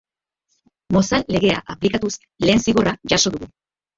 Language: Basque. Mozal Legea aplikatuz lehen zigorra jaso dugu.